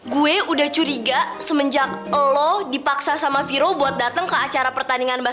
gue udah curiga semenjak lo dipaksa sama viro buat datang ke acara pertandingan